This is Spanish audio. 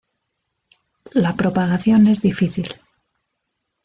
La propagación es difícil.